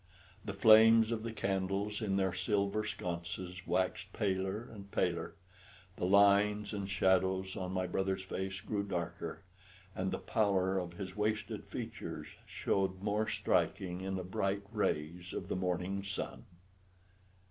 The flames of the candles in their silver sconces waxed paler and paler, the lines and shadows on my brother's face grew darker, and the pallor of his wasted features showed more striking in the bright rays of the morning sun.